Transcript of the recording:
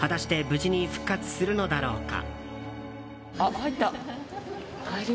無事に復活するのだろうか。